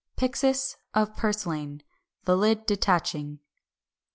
404. Pyxis of Purslane, the lid detaching.